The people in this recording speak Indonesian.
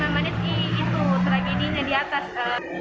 lima manis itu tragedinya di atas